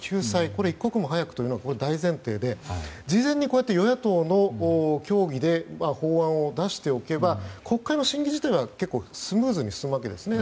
これを一刻も早くというのが大前提で事前に与野党の協議で法案を出しておけば国会の審議自体は結構スムーズに進むわけですね。